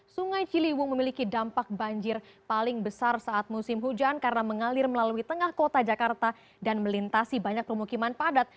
sungai ciliwung memiliki dampak banjir paling besar saat musim hujan karena mengalir melalui tengah kota jakarta dan melintasi banyak permukiman padat